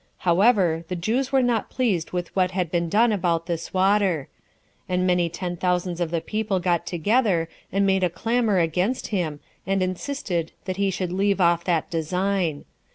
However, the Jews 8 were not pleased with what had been done about this water; and many ten thousands of the people got together, and made a clamor against him, and insisted that he should leave off that design.